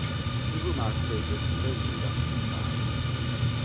To whom our Saviour sternly thus reply'd.